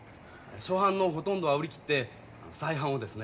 初版のほとんどは売り切って再版をですね